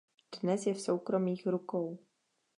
Dnes je v soukromých rukou.